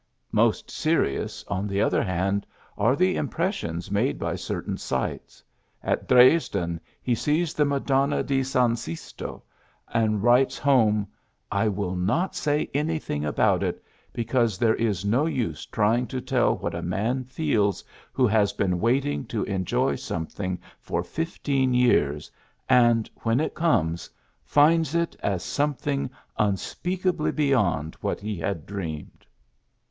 " Most serious, on the other hand, are the impressions made by cer tain sights. At Dresden he sees the ^'Madonna di San Sisto," and writes home: ^^I will not say anything about it, because there is no use trying to tell what a man feels who has been waiting to enjoy something for fifteen years, and, when it comes, finds it is some thing unspeakably beyond what he had dreamed."